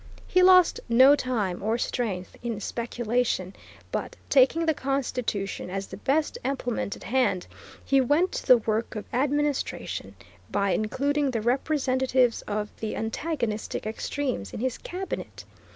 He lost no time or strength in speculation, but, taking the Constitution as the best implement at hand, he went to the work of administration by including the representatives of the antagonistic extremes in his Cabinet.